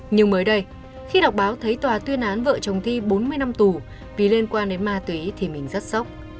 nhưng mới đây khi đọc báo thấy tòa tuyên án vợ chồng thi bốn mươi năm tù vì liên quan đến ma túy thì mình rất sốc